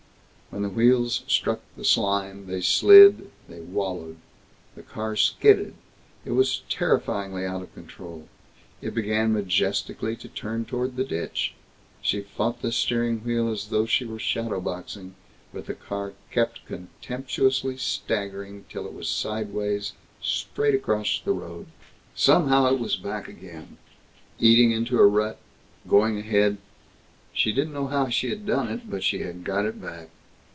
When the wheels struck the slime, they slid, they wallowed. The car skidded. It was terrifyingly out of control. It began majestically to turn toward the ditch. She fought the steering wheel as though she were shadow boxing, but the car kept contemptuously staggering till it was sideways, straight across the road. Somehow, it was back again, eating into a rut, going ahead. She didn't know how she had done it, but she had got it back.